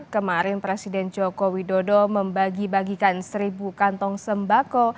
kemarin presiden joko widodo membagi bagikan seribu kantong sembako